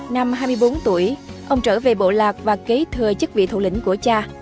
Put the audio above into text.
năm hai mươi bốn tuổi ông trở về bộ lạc và kế thừa chức vị thủ lĩnh của cha